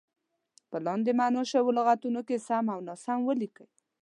په لاندې معنا شوو لغتونو کې سم او ناسم ولیکئ.